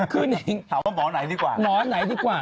คุณถามว่าหมอไหนดีกว่า